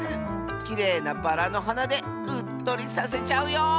きれいなバラのはなでうっとりさせちゃうよ！